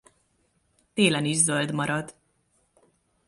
Télen is zöld marad.